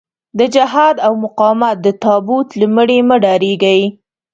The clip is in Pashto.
د جهاد او مقاومت د تابوت له مړي مه ډارېږئ.